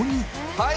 はい！